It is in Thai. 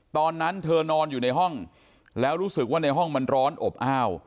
ตอนนั้นเธอนอนอยู่ในห้องแล้วรู้สึกว่าในห้องมันร้อนอบอ้าว